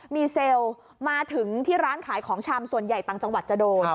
มีเซลล์มาถึงที่ร้านขายของชำส่วนใหญ่ต่างจังหวัดจะโดน